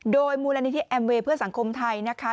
โดยมูลนิธิแอมเวย์เพื่อสังคมไทยนะคะ